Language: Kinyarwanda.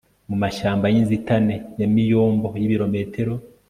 mumashyamba yinzitane ya miombo yibirometero